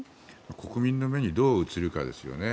国民の目にどう映るかですよね。